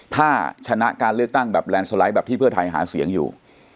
ถ้าชนะการเลือกตั้งแบบแลนด์สไลด์แบบที่เพื่อไทยหาเสียงอยู่